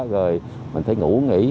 rồi mình phải ngủ nghỉ